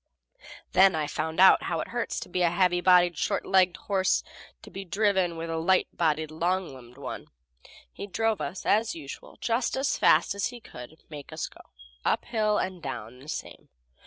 Then I found out how it hurts a heavy bodied, short legged horse to be driven with a light bodied, long limbed one. He drove, as usual, just as fast as he could make us go, uphill and down the same.